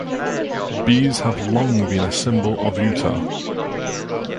Bees have long been a symbol of Utah.